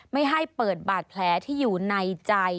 ไม่ให้เปิดบาดแผลที่อยู่ในใจ